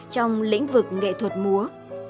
trong lĩnh vực nghệ thuật múa